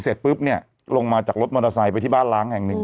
เสร็จปุ๊บเนี่ยลงมาจากรถมอเตอร์ไซค์ไปที่บ้านล้างแห่งหนึ่ง